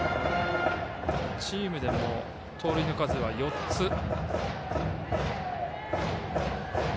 チームでも盗塁の数は４つ。